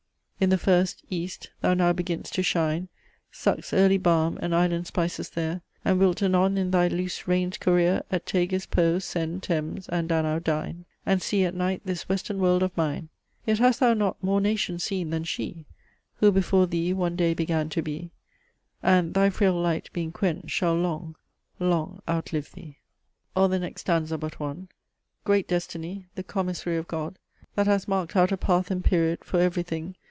In the first East thou now beginn'st to shine, Suck'st early balm and island spices there, And wilt anon in thy loose rein'd career At Tagus, Po, Seine, Thames, and Danow dine, And see at night this western world of mine: Yet hast thou not more nations seen than she, Who before thee one day began to be, And, thy frail light being quench'd, shall long, long outlive thee." Or the next stanza but one: "Great Destiny, the commissary of God, That hast mark'd out a path and period For every thing!